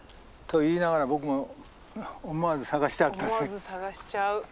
思わず探しちゃう。